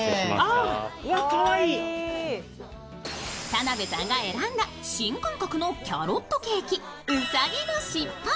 田辺さんが選んだ新感覚のキャロットケーキ、うさぎのしっぽ。